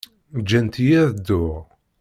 Ǧǧant-iyi ad dduɣ.